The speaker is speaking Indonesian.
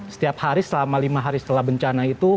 setiap hari selama lima hari setelah bencana itu